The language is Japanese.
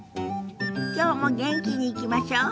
きょうも元気にいきましょう。